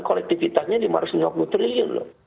kolektifitasnya rp lima ratus enam puluh triliun loh